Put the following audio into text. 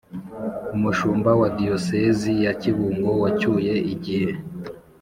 umushumba wa diyosezi ya kibungo, wacyuye igihe